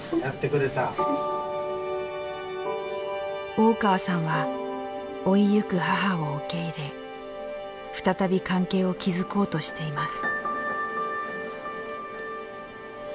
大川さんは老いゆく母を受け入れ再び関係を築こうとしています。